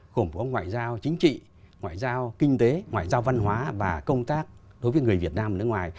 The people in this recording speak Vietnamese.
hồn của ngoại giao chính trị ngoại giao kinh tế ngoại giao văn hóa và công tác đối với người việt nam và nước ngoài